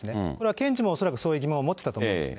検事も恐らくそういう疑問を持っていたと思うんですね。